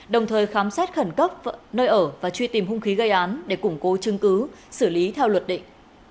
đồng thời khám xét khẩn cấp nơi ở và truy tìm hung khí gây án để củng cố chứng cứ xử lý theo luật định